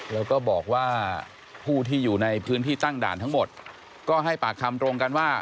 แล้วก็บอกว่าผู้ที่อยู่ในพื้นที่ตั้งด่านทั้งหมดก็ให้ปากคำตรงกันว่า